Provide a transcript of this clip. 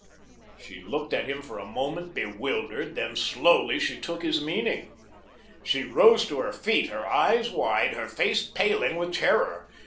She looked at him a moment, bewildered, then slowly she took his meaning. She rose to her feet, her eyes wide, her face paling with terror.